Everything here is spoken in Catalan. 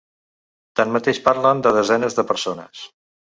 Tanmateix, parlen de ‘desenes’ de persones.